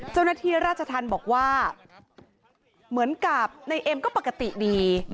เจ้าหน้าที่ราชธรรมบอกว่าเหมือนกับนายเอ็มก็ปกติดี